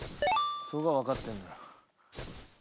それは分かってんだよ。